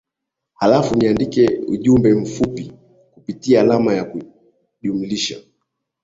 halafu niandikie ujumbe mfupi kupitia alama ya kujumlisha